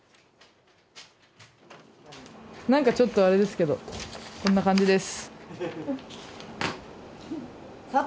何かちょっとあれですけどこんな感じです。